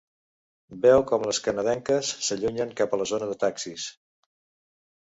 Veu com les canadenques s'allunyen cap a la zona de taxis.